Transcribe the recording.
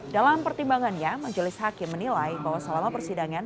dalam pertimbangannya majelis hakim menilai bahwa selama persidangan